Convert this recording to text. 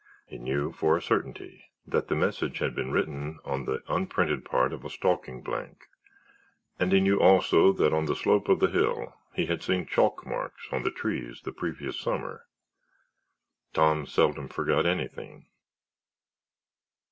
He knew for a certainty that the message had been written on the unprinted part of a stalking blank and he knew also that on the slope of the hill he had seen chalk marks on the trees the previous summer. Tom seldom forgot anything.